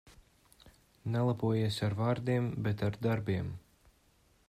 Nelepojies ar vārdiem, bet ar darbiem.